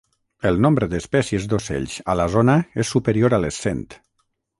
El nombre d'espècies d'ocells a la zona és superior a les cent.